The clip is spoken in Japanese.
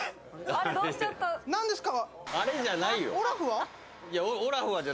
何ですか？